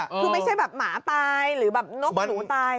คือไม่ใช่แบบหมาตายหรือแบบนกหนูตาย